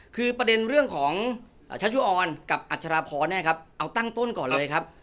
คือประเด็นเรื่องของชัชชุออนกับอัชราพรเนี่ยครับเอาตั้งต้นก่อนเลยครับ